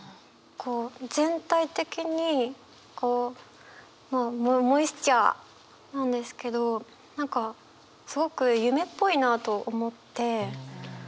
全体的にこうモイスチャーなんですけど何かすごく夢っぽいなと思って。